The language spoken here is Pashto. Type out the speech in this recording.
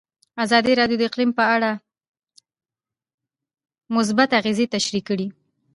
ازادي راډیو د اقلیم په اړه مثبت اغېزې تشریح کړي.